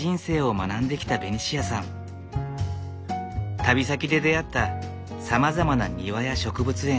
旅先で出会ったさまざまな庭や植物園